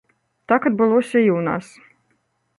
Так адбылося і ў нас.